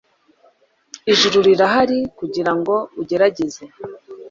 ijuru rirahari kugirango ugerageze